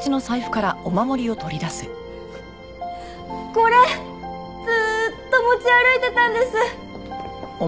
これずーっと持ち歩いてたんです！